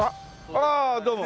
ああどうも。